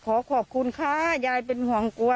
ขอขอบคุณค่ะยายเป็นห่วงกลัว